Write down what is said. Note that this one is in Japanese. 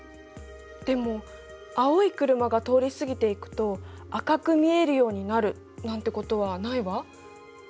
でも「青い車が通り過ぎていくと赤く見えるようになる」なんてことはないわ。